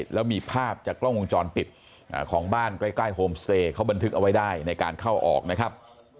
แล้วมีภาพจากกล้องวงจรปิดของบ้านใกล้โฮมสเตย์เขาบันทึกเอาไว้ได้ในการเข้าออกนะครับ